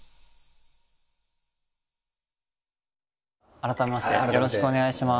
改めましてよろしくお願いします。